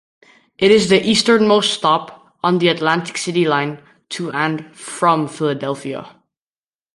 It is the easternmost stop on the Atlantic City Line to and from Philadelphia.